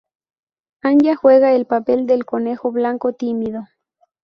Anya juega el papel del Conejo Blanco tímido.